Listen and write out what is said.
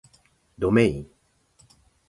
どめいん